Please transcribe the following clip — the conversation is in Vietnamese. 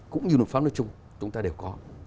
cũng như luật pháp đất trung chúng ta đều có